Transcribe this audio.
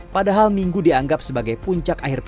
padahal minggu dianggap sebagai puncak akhir pekan